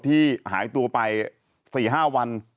หายตัวไป๔๕วัน